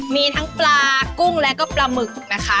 มีทั้งปลากุ้งและก็ปลาหมึก